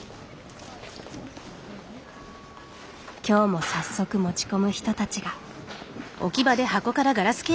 今日も早速持ち込む人たちが。